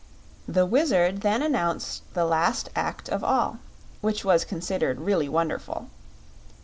The Wizard then announced the last act of all, which was considered really wonderful.